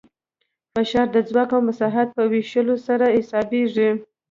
فشار د ځواک او مساحت په ویشلو سره حسابېږي.